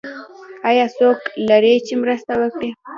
ایا څوک لرئ چې مرسته وکړي؟